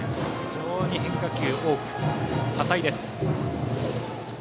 非常に変化球が多彩です。